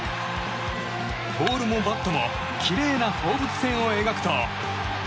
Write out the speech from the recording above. ボールもバットもきれいな放物線を描くと。